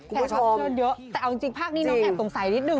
แพทย์มันเยอะแต่เอาจริงภาคนี้น้องแกสงสัยนิดนึง